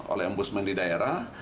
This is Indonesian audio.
oleh ombudsman di daerah